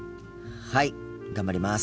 はい頑張ります！